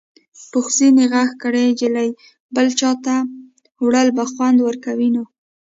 پوخ سنې غږ کړ ای جلۍ بل چاته وړل به خوند ورکوي نو.